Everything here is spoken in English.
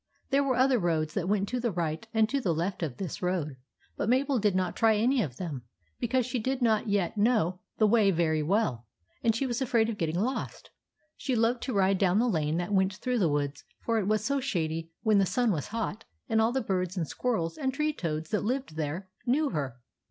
There were other roads that went to the right and to the left of this road ; but Mabel did not try any of them, because she did not yet know the way very well, and was afraid of getting lost. She loved to ride down the lane that went through the woods, for it was so shady when the sun was hot; and all the birds and squirrels and tree toads that lived there THE FROGS AT THE BRIDGE 31 knew her.